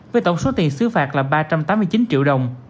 với tổng số tiền xứ phạt là ba trăm tám mươi chín triệu đồng